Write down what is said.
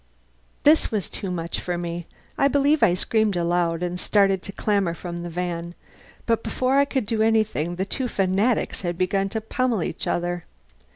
This was too much for me. I believe I screamed aloud, and started to clamber from the van. But before I could do anything the two fanatics had begun to pummel each other.